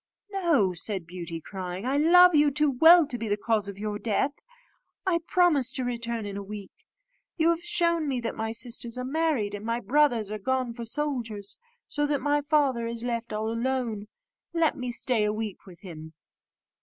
"No," said Beauty, crying, "I love you too well to be the cause of your death; I promise to return in a week. You have shown me that my sisters are married, and my brothers are gone for soldiers, so that my father is left all alone. Let me stay a week with him."